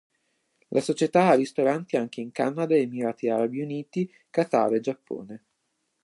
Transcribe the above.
La società ha ristoranti anche in Canada, Emirati Arabi Uniti, Qatar e Giappone.